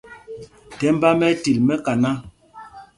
Thɛmb ā ɛ́ ɛ́ til mɛ mɛkaná.